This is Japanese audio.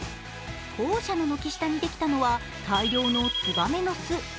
校舎の軒下にできたのは大漁のつばめの巣。